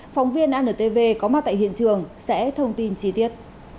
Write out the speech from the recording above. phóng viên antv có mặt tại hiện trường sẽ thông tin chi tiết